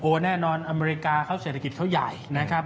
แน่นอนอเมริกาเขาเศรษฐกิจเขาใหญ่นะครับ